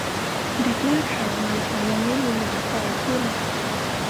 เด็กหน้าขาว หมายถึงยังไม่มีหนวดเคราขึ้น